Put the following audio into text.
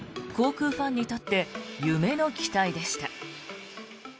航空ファンにとって夢の機体でした。